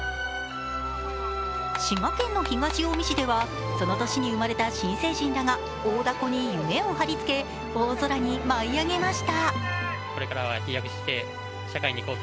滋賀県の東近江市では、その年に生まれた新成人らが大だこに夢を貼り付け大空に舞いあげました。